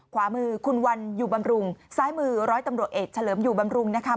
ขวามือคุณวันอยู่บำรุงซ้ายมือร้อยตำรวจเอกเฉลิมอยู่บำรุงนะคะ